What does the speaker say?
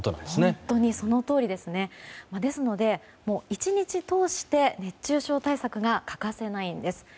本当にそのとおりですので１日通して熱中症対策が欠かせないんです。